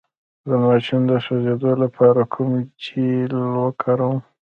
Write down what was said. د ماشوم د سوځیدو لپاره کوم جیل وکاروم؟